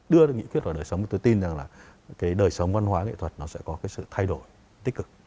thì cái đời sống văn hóa nghệ thuật nó sẽ có cái sự thay đổi tích cực